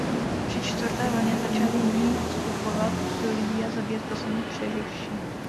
Při Čtvrté vlně začali Jiní vstupovat do lidí a zabíjet poslední přeživší.